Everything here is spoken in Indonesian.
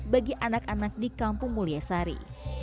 bagi anak anak di kampung mulya sari